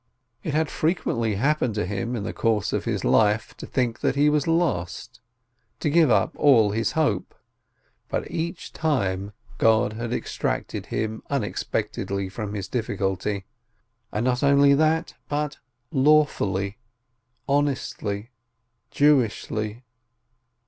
It had frequently happened to him in the course of his life to think he was lost, to give up all his hope. But each time God had extricated him unexpectedly from his difficulty, and not only that, but lawfully, honestly, Jewishly.